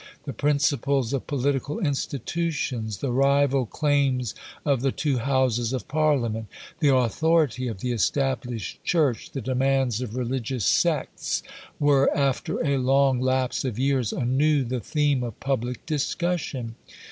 The principles of political institutions, the rival claims of the two Houses of Parliament, the authority of the Established Church, the demands of religious sects, were, after a long lapse of years, anew the theme of public discussion.